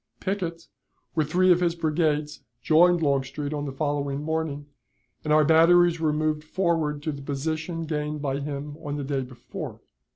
Pickett, with three of his brigades, joined Longstreet on the following morning, and our batteries were moved forward to the position gained by him on the day before.